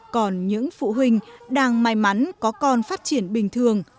còn những phụ huynh đang may mắn có con phát triển bình thường